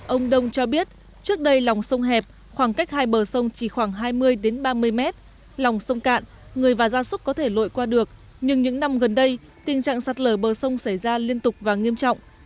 ông đông cho biết trước đây lòng sông hẹp khoảng cách hai bờ sông chỉ khoảng hai mươi ba mươi mét lòng sông cạn người và gia súc có thể lội qua được nhưng những năm gần đây tình trạng sạt lở bờ sông xảy ra liên tục và nghiêm trọng